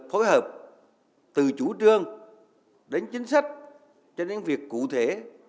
phối hợp từ chủ trương đến chính sách cho đến việc cụ thể